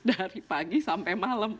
dari pagi sampai malam